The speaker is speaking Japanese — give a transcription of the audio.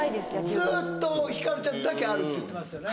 ずっとひかるちゃんだけあるって言ってますよね